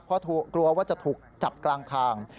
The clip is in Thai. เพราะกลัวว่าจะถูกจับกลางทาง